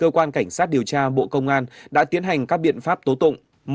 quán cảnh sát điều tra bộ công an đã tiến hành các biện pháp tố tụng